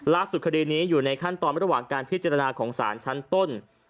คดีนี้อยู่ในขั้นตอนระหว่างการพิจารณาของสารชั้นต้น